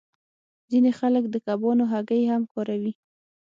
ځینې خلک د کبانو هګۍ هم کاروي